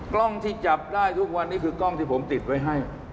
กล้องที่จับได้ทุกวันนี้คือกล้องที่ผมติดไว้ให้